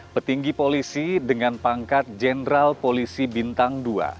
petinggi polisi dengan pangkat jenderal polisi bintang dua